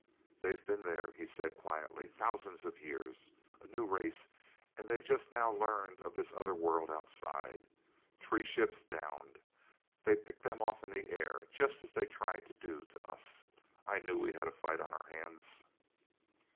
"They've been there," he said quietly, "thousands of years. A new race—and they've just now learned of this other world outside. Three ships downed! They picked them off in the air just as they tried to do with us. I knew we had a fight on our hands."